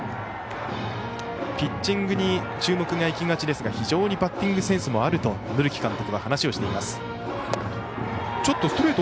ピッチングに注目がいきがちですが非常にバッティングセンスもあると塗木監督は話をしています。